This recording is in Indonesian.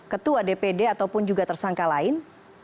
ketua dpd ataupun juga tersangka lain